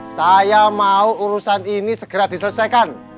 saya mau urusan ini segera diselesaikan